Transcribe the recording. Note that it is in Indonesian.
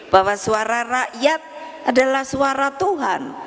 bahwa suara rakyat adalah suara tuhan